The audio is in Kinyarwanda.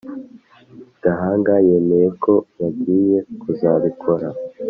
Gahanga yemeye ko bagiye kuzabikora